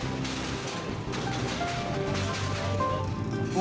お！